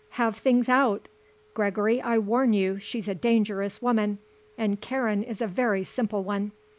Have things out. Gregory, I warn you, she's a dangerous woman, and Karen is a very simple one."